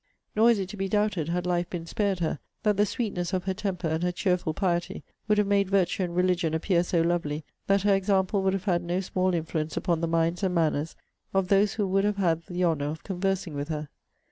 Nor is it to be doubted, had life been spared her, that the sweetness of her temper, and her cheerful piety, would have made virtue and religion appear so lovely, that her example would have had no small influence upon the minds and manners of those who would have had the honour of conversing with her.